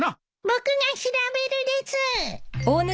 僕が調べるです。